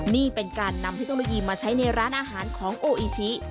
นี่เป็นการนำเทคโนโลยีมาใช้ในร้านอาหารของโออิชิ